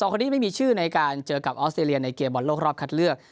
คนนี้ไม่มีชื่อในการเจอกับออสเตรเลียในเกมบอลโลกรอบคัดเลือก